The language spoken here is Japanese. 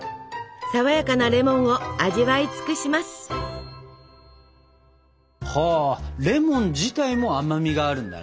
さわやかなレモンを味わい尽くします！はレモン自体も甘みがあるんだね。